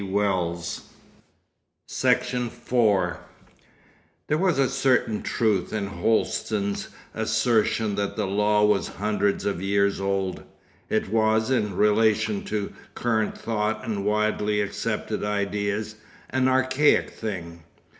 Section 4 There was a certain truth in Holsten's assertion that the law was 'hundreds of years old.' It was, in relation to current thought and widely accepted ideas, an archaic thing.